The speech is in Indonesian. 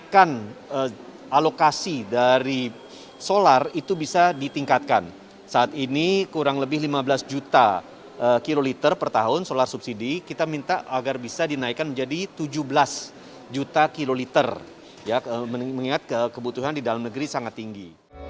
karena itu tuh pasti agung agung juga untuk mengamankan agar juga mengamankan pemerintahan ini